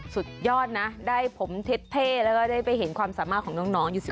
สุดยอดนะได้ผมเท่แล้วก็ได้ไปเห็นความสามารถของน้องอยู่